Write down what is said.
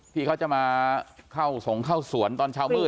ที่เขาจะมาเข้าสงเข้าสวนตอนเช้ามืด